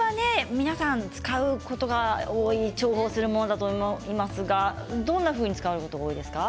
皆さん使うことが多い重宝する野菜だと思いますがどんなふうに使われますか。